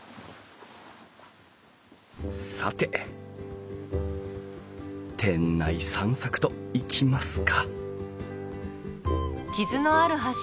さて店内散策といきますか